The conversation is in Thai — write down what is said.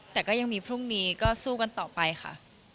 แต่ก็ยังมีพรุ่งนี้ก็สู้กันต่อไปค่ะ